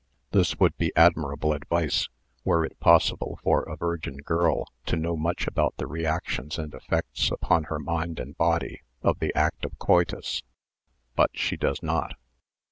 This would be admirable advice were it possible for a virgin girl to know much about the reactions and effects upon her mind and body of the act of coitus, but she does not.